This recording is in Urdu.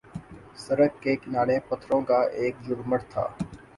سڑک کے کنارے پتھروں کا ایک جھرمٹ تھا